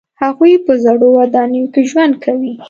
هغوی په زړو ودانیو کې ژوند کوي.